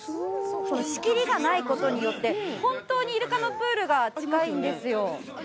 仕切りがないことによって、本当にイルカのプールが近いんですよ。